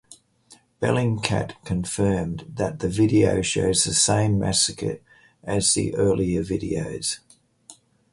Bellingcat confirmed that the video shows the same massacre as the earlier videos.